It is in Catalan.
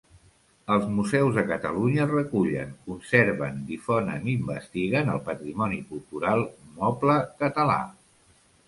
Els museus de Catalunya recullen, conserven, difonen i investiguen el patrimoni cultural moble català.